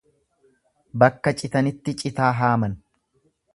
Bakka citanitti citaa haaman.